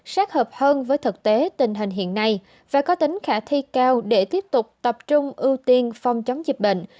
sát hợp hơn với thực tế tình hình hiện nay và có tính khả thi cao để tiếp tục tập trung ưu tiên phòng chống dịch bệnh